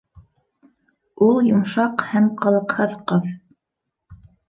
Ул йомшаҡ һәм ҡылыҡһыҙ ҡыҙ.